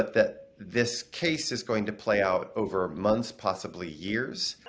tapi kes ini akan berlaku selama bulan mungkin tahun